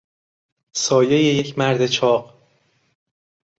سایهی یک مرد چاق